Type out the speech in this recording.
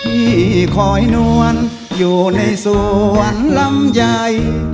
พี่คอยนวลอยู่ในสวรรค์ลำใหญ่